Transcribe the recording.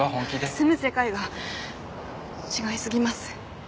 住む世界が違いすぎます。